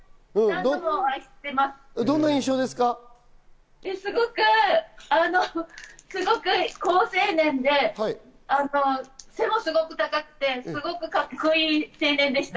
すごく好青年で、背もすごく高くて、すごくカッコいい青年でした。